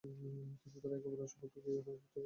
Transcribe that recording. কিন্ত তারা একে অপরের সম্পর্কে তেমন একটা জানে না।